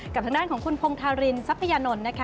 ทางด้านของคุณพงธารินทรัพยานนท์นะคะ